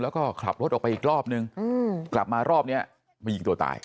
แล้วก็ขับรถออกไปอีกรอบนึงกลับมารอบนี้มายิงตัวตาย